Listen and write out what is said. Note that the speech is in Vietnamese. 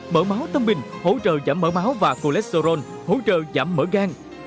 mỡ máu tâm bình hỗ trợ giảm mỡ máu và cholesterol hỗ trợ giảm mỡ gan